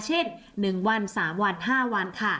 เช่น๑วัน๓วัน๕วันค่ะ